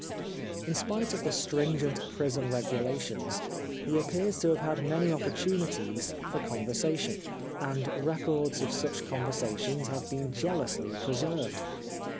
In spite of the stringent prison regulations he appears to have had many opportunities for con versation, and records of such conversations have been jealously preserved.